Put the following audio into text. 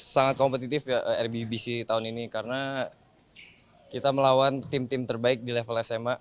sangat kompetitif ya rbbc tahun ini karena kita melawan tim tim terbaik di level sma